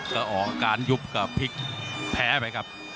ก็ออกการยุบกับพลิกแพ้ไปครับ